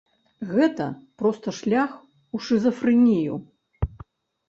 Гэта просты шлях у шызафрэнію.